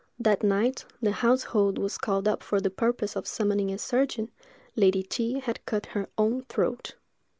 That night the household was called up for the purpose of summoning a surgeon—Lady T—— had cut her own throat!